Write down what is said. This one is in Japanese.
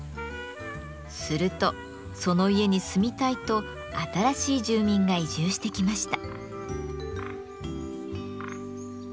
するとその家に住みたいと新しい住民が移住してきました。